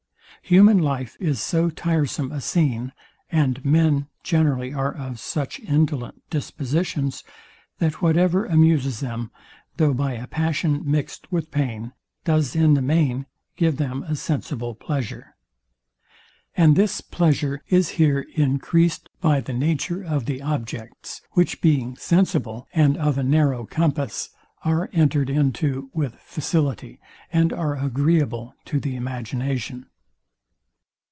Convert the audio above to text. Human life is so tiresome a scene, and men generally are of such indolent dispositions, that whatever amuses them, though by a passion mixt with pain, does in the main give them a sensible pleasure. And this pleasure is here encreased by the nature of the objects, which being sensible, and of a narrow compass, are entered into with facility, and are agreeable to the imagination.